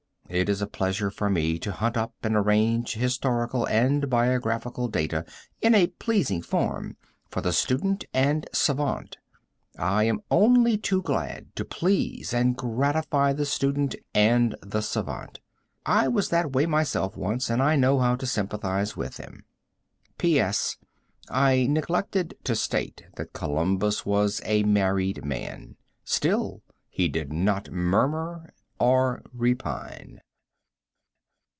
It is a pleasure for me to hunt up and arrange historical and biographical data in a pleasing form for the student and savant. I am only too glad to please and gratify the student and the savant. I was that way myself once and I know how to sympathize with them, P.S. I neglected to state that Columbus was a married man. Still, he did not murmur or repine.